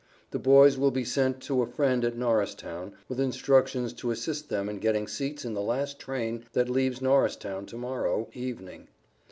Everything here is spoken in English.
The boys will be sent to a friend at Norristown, with instructions to assist them in getting seats in the last train that leaves Norristown to morrow evening.